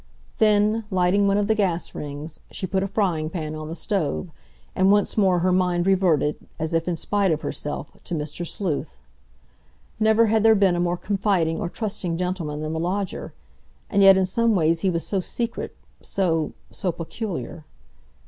Then, lighting one of the gas rings, she put a frying pan on the stove, and once more her mind reverted, as if in spite of herself, to Mr. Sleuth. Never had there been a more confiding or trusting gentleman than the lodger, and yet in some ways he was so secret, so—so peculiar.